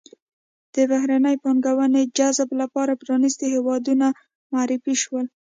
د بهرنۍ پانګونې جذب لپاره پرانیستي ښارونه معرفي شول.